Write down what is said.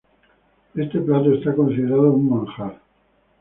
Este plato está considerado un manjar.